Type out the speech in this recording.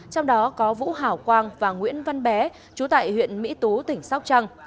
trong đó có vũ hảo quang và nguyễn văn bé chú tại huyện mỹ tú tỉnh sóc trăng